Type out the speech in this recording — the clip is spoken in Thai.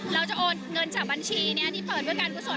เราจะโอนเงินจากบัญชีนี้ที่เปิดด้วยการกุศล